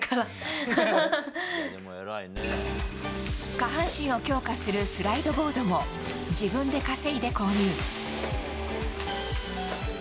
下半身を強化するスライドボードも自分で稼いで購入。